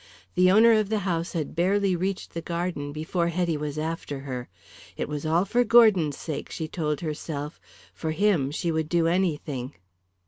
The owner of the house had barely reached the garden before Hetty was after her. It was all for Gordon's sake, she told herself; for him she would do anything.